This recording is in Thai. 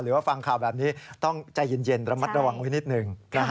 ว่าฟังข่าวแบบนี้ต้องใจเย็นระมัดระวังไว้นิดหนึ่ง